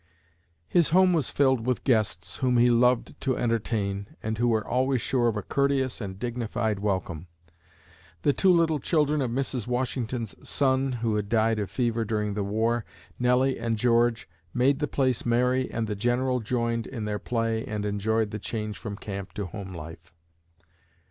His home was filled with guests whom he loved to entertain and who were always sure of a courteous and dignified welcome. The two little children of Mrs. Washington's son (who had died of fever during the war), Nelly and George, made the place merry and the General joined in their play and enjoyed the change from camp to home life.